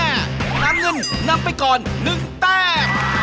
นำเงินนำไปก่อน๑แต้ม